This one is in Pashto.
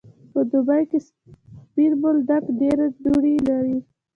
په دوبی کی سپین بولدک ډیری دوړی لری.